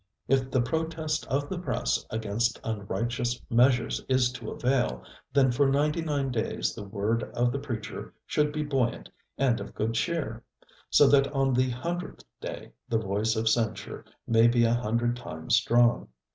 If the protest of the press against unrighteous measures is to avail, then for ninety nine days the word of the preacher should be buoyant and of good cheer, so that on the hundredth day the voice of censure may be a hundred times strong.